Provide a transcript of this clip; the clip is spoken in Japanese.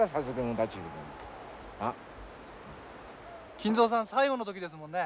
金蔵さん最後の時ですもんね。